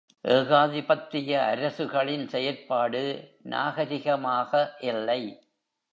ஏகாதிபத்திய அரசுகளின் செயற்பாடு நாகரிகமாக இல்லை.